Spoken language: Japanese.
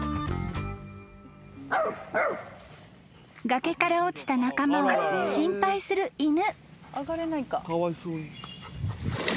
［崖から落ちた仲間を心配する犬］